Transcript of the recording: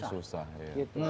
masuk aja susah iya